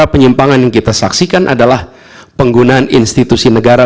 dan juga penyimpangan yang kita saksikan adalah penggunaan institusi negara